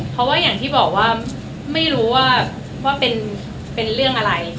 เพราะว่าอย่างที่บอกว่าไม่รู้ว่าเป็นเรื่องอะไร